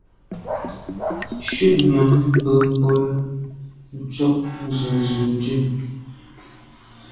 Shutnyàm be bole, ntshob nzenze ndù.